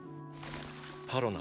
パロナ。